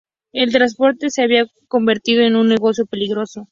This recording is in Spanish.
El transporte se había convertido en un negocio peligroso.